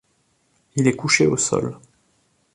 Il est couché au sol.